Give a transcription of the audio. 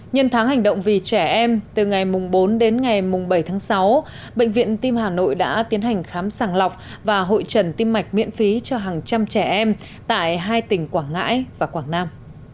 nhân tháng hành động vì trẻ em từ ngày bốn đến ngày bảy tháng sáu bệnh viện tim hà nội đã tiến hành khám sàng lọc và hội trần tim mạch miễn phí cho hàng trăm trẻ em tại hai tỉnh quảng ngãi và quảng nam